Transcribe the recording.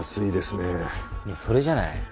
ねえそれじゃない？